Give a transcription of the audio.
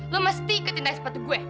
lo mesti ikutin naik sepatu gue